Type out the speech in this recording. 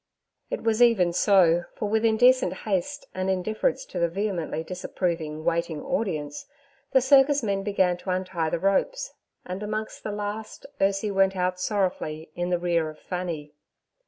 It was even so, for with indecent haste and indifference to the vehemently disapproving, waiting audience, the circus men began to untie the ropes, and amongst the last Ursie went out sorrowfully in the rear of Fanny.